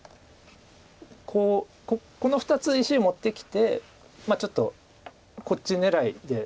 こうこの２つ石を持ってきてちょっとこっち狙いで。